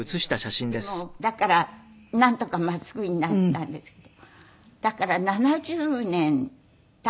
でもだからなんとか真っすぐになったんですけど。